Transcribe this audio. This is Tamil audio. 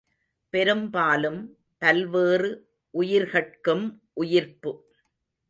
பெரும்பாலும் பல்வேறு உயிர்கட்கும் உயிர்ப்பு.